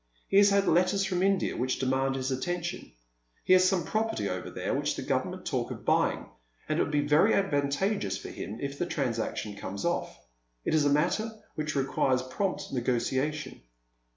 He has had letters from India which demand his attention — he has some property over there which the Government talk of buying, — and it will be very advan tageous for him if the transaction comes oif. It is a matter which requires prompt negotiation.